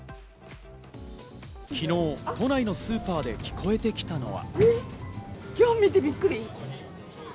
昨日、都内のスーパーで聞こえてきたのは。